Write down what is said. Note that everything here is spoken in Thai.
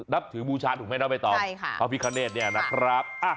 นับถือบูชาถูกไหมนะไปต่อพระพิกเกณฑ์นี้นะครับ